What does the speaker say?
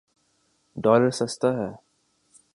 Dollar سستا ہے۔